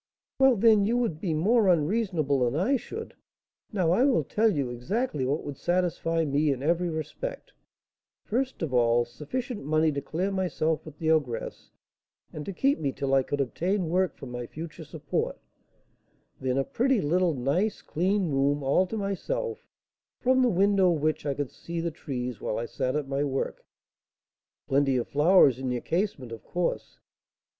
"Well, then, you would be more unreasonable than I should. Now I will tell you exactly what would satisfy me in every respect: first of all, sufficient money to clear myself with the ogress, and to keep me till I could obtain work for my future support; then a pretty, little, nice, clean room, all to myself, from the window of which I could see the trees while I sat at my work." "Plenty of flowers in your casement, of course?"